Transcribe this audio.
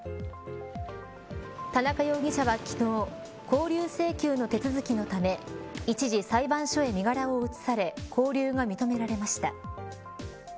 田中容疑者は昨日勾留請求の手続きのため一時、裁判所へ身柄を移され勾留が認められました。